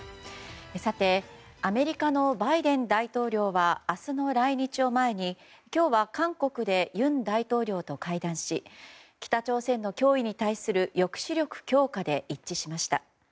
さてアメリカのバイデン大統領は明日の来日を前に今日は、韓国で尹大統領と会談し北朝鮮の脅威に対する抑止力強化で一致しました。